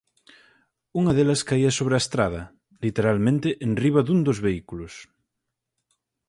Unha delas caía sobre a estrada, literalmente enriba dun dos vehículos.